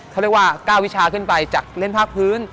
เขาเรียกว่าก้าววิชาขึ้นไปจากเล่นภาคพื้น